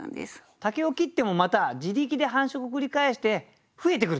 竹を切ってもまた自力で繁殖繰り返して増えてくると。